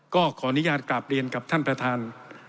ก็ขออนุญาตกราบเรียนกับท่านประธาน